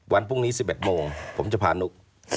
วันพรุ่งนี้๑๑โมงผมจะพานุก